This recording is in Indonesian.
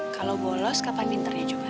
kalau bolos kapan pinternya juga